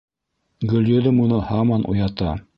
Гөлйөҙөм уны һаман уята: